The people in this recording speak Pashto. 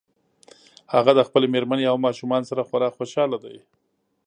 هغه د خپلې مېرمنې او ماشومانو سره خورا خوشحاله ده